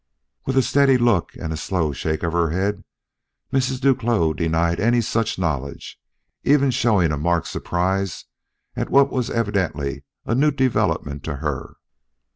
With a steady look and a slow shake of her head, Mrs. Duclos denied any such knowledge, even showing a marked surprise at what was evidently a new development to her.